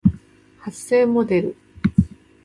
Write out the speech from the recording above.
発声モデル